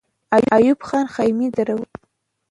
ایوب خان خېمې درولې.